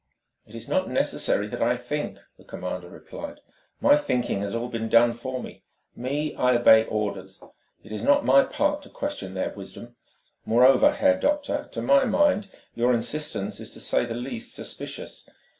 "It is not necessary that I think," the commander replied. "My thinking has all been done for me. Me, I obey my orders; it is not my part to question their wisdom. Moreover, Herr Doctor, to my mind your insistence is to say the least suspicious.